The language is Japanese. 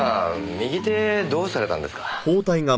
右手どうされたんですか？